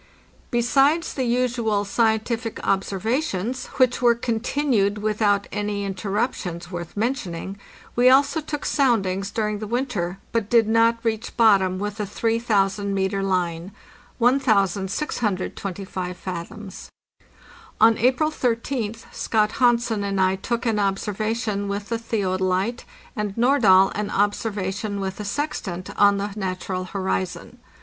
Besides the usual scientific observations, which were con tinued without any interruptions worth mentioning, we also took soundings during the winter, but did not reach bottom with a 3000 metre line (1625 fathoms). On April 13th Scott Hansen and I took an observation with the theodolite, and Nordahl an observation with the sextant, on the natural horizon.